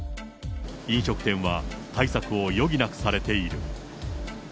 飲食店は対策を余儀なくされている。